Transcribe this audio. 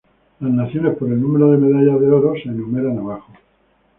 Las naciones por el número de medallas de oro se enumeran abajo.